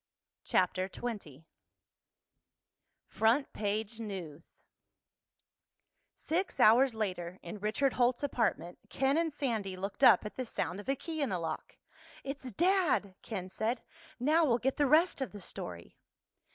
CHAPTER XX FRONT PAGE NEWS Six hours later, in Richard Holt's apartment, Ken and Sandy looked up at the sound of a key in the lock. "It's Dad!" Ken said. "Now we'll get the rest of the story."